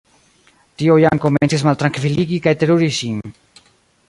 Tio jam komencis maltrankviligi kaj teruri ŝin.